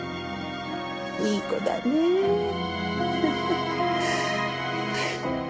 いい子だねえフフ。